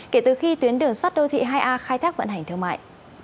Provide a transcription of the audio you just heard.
kể từ khi tuyến đường sắt đô thị hai a khai thác vận hành thương mại